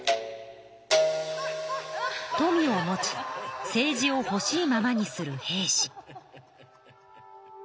富を持ち政治をほしいままにする平氏。